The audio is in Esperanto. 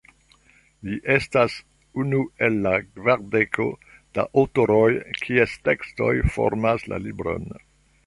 Li estas unu el la kvardeko da aŭtoroj, kies tekstoj formas la libron.